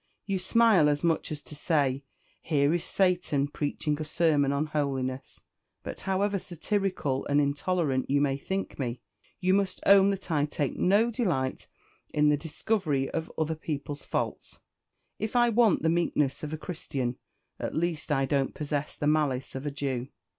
You smile, as much as to say, Here is Satan preaching a sermon on holiness. But however satirical and intolerant you may think me, you must own that I take no delight in the discovery of other people's faults: if I want the meekness of a Christian, at least I don't possess the malice of a Jew.